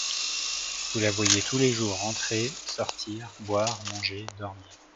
Vous la voyez tous les jours entrer, sortir, boire, manger, dormir.